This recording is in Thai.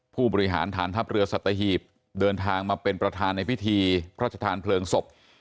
ผู้บริหารฐานทัพเรือสัตหีบเดินทางมาเป็นประธานในพิธีพระชธานเพลิงศพ